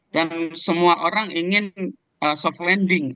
dan semua orang ingin soft landing